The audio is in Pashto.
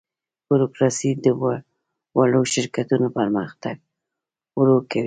بوروکراسي د وړو شرکتونو پرمختګ ورو کوي.